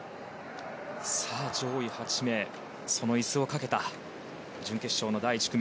上位８名その椅子を掛けた準決勝第１組。